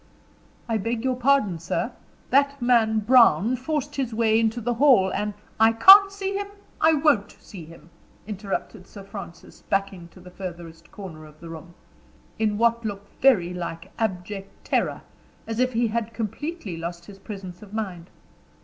"I beg your pardon, sir. That man, Brown, forced his way into the hall, and " "I can't see him I won't see him!" interrupted Sir Francis backing to the furthest corner of the room, in what looked very like abject terror, as if he had completely lost his presence of mind.